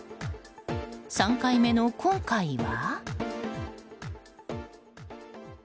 ３回目の今回は？